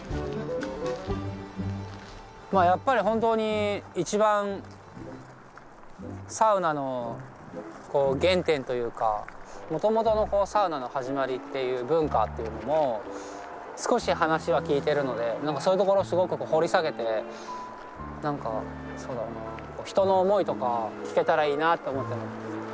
まあやっぱり本当に一番サウナのこう原点というかもともとのこうサウナの始まりっていう文化っていうのも少し話は聞いてるので何かそういうところすごく掘り下げて何かそうだな人の思いとか聞けたらいいなって思ってます。